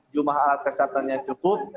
jumlah alat kesehatannya cukup